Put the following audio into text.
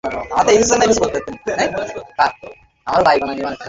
আয়, শুটু।